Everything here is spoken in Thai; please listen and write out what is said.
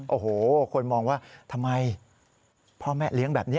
โอ้โหคนมองว่าทำไมพ่อแม่เลี้ยงแบบนี้